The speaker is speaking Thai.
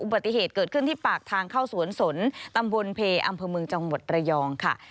ปฏิเหตุเกิดขึ้นที่ปากทางเข้าสวนสนตำบลเพอำเภอเมืองจังหวัดระยองค่ะ